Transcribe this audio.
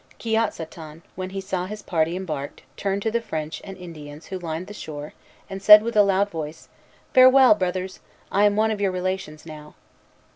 Kiotsaton, when he saw his party embarked, turned to the French and Indians who lined the shore, and said with a loud voice, "Farewell, brothers! I am one of your relations now."